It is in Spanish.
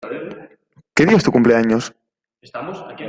¿Qué día es tu cumpleaños?